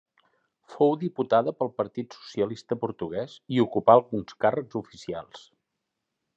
Fou diputada pel Partit Socialista Portuguès i ocupà alguns càrrecs oficials.